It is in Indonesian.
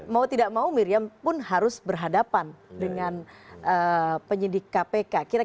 mau tidak mau miriam pun harus berhadapan dengan penyidik kpk